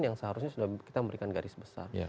yang seharusnya sudah kita memberikan garis besar